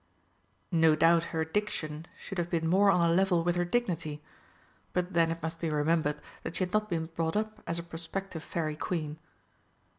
No doubt her diction should have been more on a level with her dignity, but then it must be remembered that she had not been brought up as a prospective Fairy Queen.